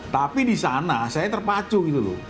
tapi di sana saya terpacu gitu loh